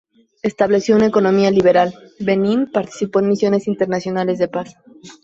Estableció una economía liberal, Benín participó en misiones internacionales de paz.